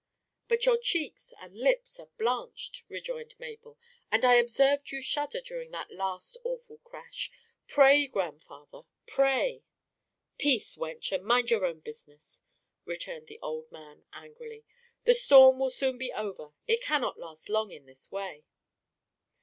"But your cheeks and lips are blanched," rejoined Mabel; "and I observed you shudder during that last awful crash. Pray, grandfather, pray!" "Peace, wench, and mind your own business!" returned the old man angrily. "The storm will soon be over it cannot last long in this way."